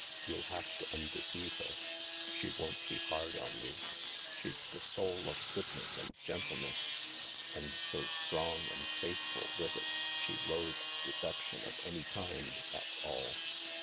You'll have to undeceive her. She won't be hard on you. She's the soul of goodness and gentleness. And so strong and faithful with it. She loathes deception of any kind, that's all.